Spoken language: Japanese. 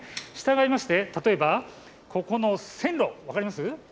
したがいまして、例えばここの線路、分かります？